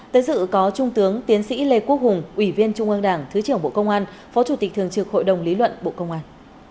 tới dự có trung tướng tiến sĩ lê quốc hùng ủy viên trung ương đảng thứ trưởng bộ công an phó chủ tịch thường trực hội đồng lý luận bộ công an